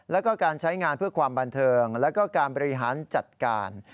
แล้วก็การใช้งานเพื่อความบันเทิงแล้วก็การบริหารจัดการ